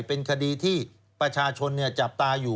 เป็นคดีที่ประชาชนจับตาอยู่